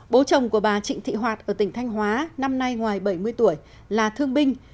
bố chồng của bà trịnh thị hoạt ở tỉnh thanh hóa năm nay ngoài bảy mươi tuổi là thương binh